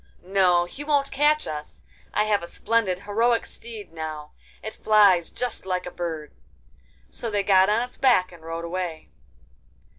'No, he won't catch us! I have a splendid heroic steed now; it flies just like a bird.' So they got on its back and rode away.